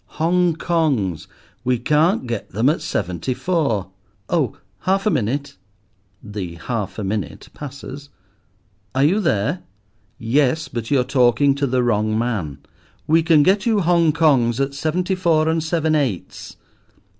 "Hong Kongs—we can't get them at seventy four. Oh, half a minute" (the half a minute passes). "Are you there?" "Yes, but you are talking to the wrong man." "We can get you Hong Kongs at seventy four and seven eights."